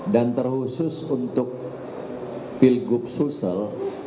dan terkhusus untuk pilgub sulsel